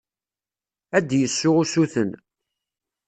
Ad d-yessu usuten.